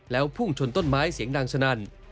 แล้วพุ่งชนต้นไม้เสียงดังสนั่น